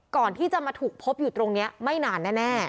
ก่อนที่จะมาถูกพบอยู่ตรงนี้ไม่นานแน่